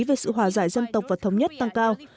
về sự hòa giải dân tộc và thống nhất tăng cao